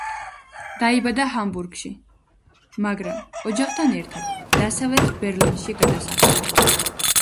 დაიბადა ჰამბურგში, მაგრამ ოჯახთან ერთად დასავლეთ ბერლინში გადასახლდა.